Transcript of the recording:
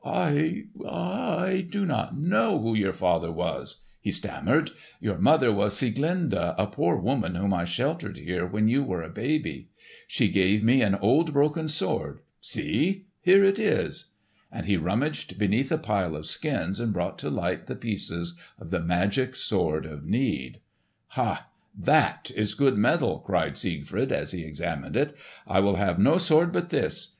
"I—I—do not know who your father was," he stammered; "your mother was Sieglinde, a poor woman whom I sheltered here when you were a baby. She gave me an old broken sword. See, here it is!" And he rummaged beneath a pile of skins and brought to light the pieces of the magic Sword of Need. "Ha! that is good metal!" cried Siegfried, as he examined it. "I will have no sword but this.